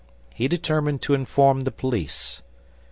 He determined to inform the police.